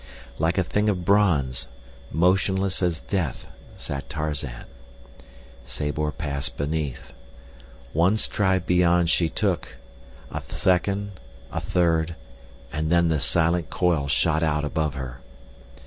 Like a thing of bronze, motionless as death, sat Tarzan. Sabor passed beneath. One stride beyond she took—a second, a third, and then the silent coil shot out above her.